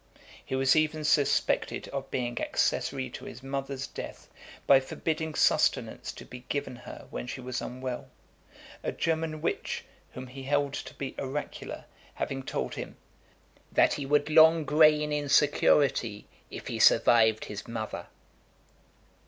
He was even suspected of being accessary to his mother's death, by forbidding sustenance to be given her when she was unwell; a German witch , whom he held to be oracular, having told him, "That he would long reign in security if he survived his mother."